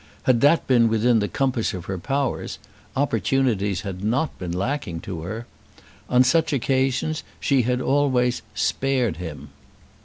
Had that been within the compass of her powers, opportunities had not been lacking to her. On such occasions she had always "spared him."